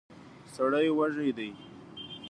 سړی وږی دی.